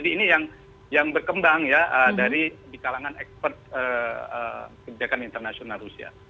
dari di kalangan expert kebijakan internasional rusia